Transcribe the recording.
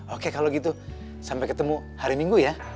oke kalau gitu sampai ketemu hari minggu ya